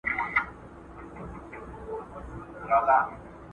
پرمختيايي هېوادونه د اقتصادي ثبات لپاره اصلاحات پلي کوي.